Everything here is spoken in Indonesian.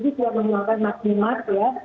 untuk menghilangkan maksimal ya